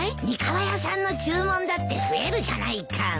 三河屋さんの注文だって増えるじゃないか。